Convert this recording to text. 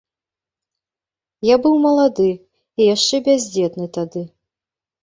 Я быў малады і яшчэ бяздзетны тады.